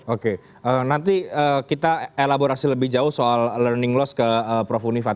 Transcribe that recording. oke nanti kita elaborasi lebih jauh soal learning loss ke prof unifat